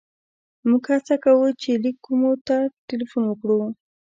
موږ هڅه کوو چې لېک کومو ته ټېلیفون وکړو.